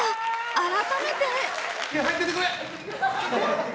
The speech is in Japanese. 改めて。